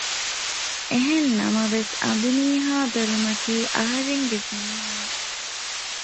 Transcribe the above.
އެހެންނަމަވެސް އަނބިމީހާ ބެލުމަކީ އަހަރެންގެ ޒިންމާއެއް